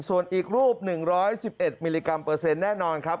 ส่วนอีกรูป๑๑๑มิลลิกรัมเปอร์เซ็นแน่นอนครับ